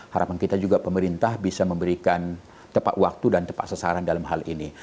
harapan kita juga pemerintah bisa memberikan tepat waktu dan tepat sasaran dalam hal ini